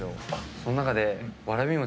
その中で。